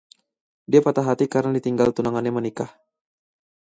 Dia patah hati karena ditinggal tunangannya menikah.